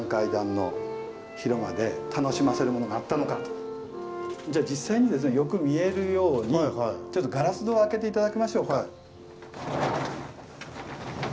何がじゃあ実際によく見えるようにガラス戸を開けて頂きましょうか。